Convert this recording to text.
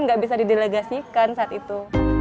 nggak bisa di delegasikan saat itu